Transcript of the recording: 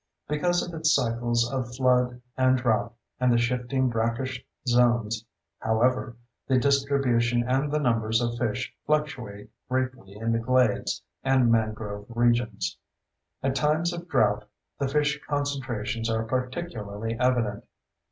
Because of its cycles of flood and drought, and the shifting brackish zones, however, the distribution and the numbers of fish fluctuate greatly in the glades and mangrove regions. At times of drought, the fish concentrations are particularly evident.